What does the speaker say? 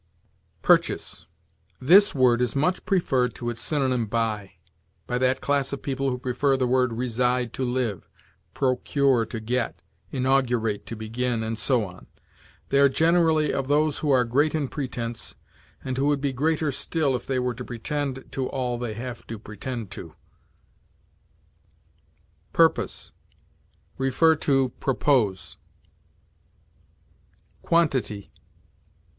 PURCHASE. This word is much preferred to its synonym buy, by that class of people who prefer the word reside to live, procure to get, inaugurate to begin, and so on. They are generally of those who are great in pretense, and who would be greater still if they were to pretend to all they have to pretend to. PURPOSE. See PROPOSE. QUANTITY.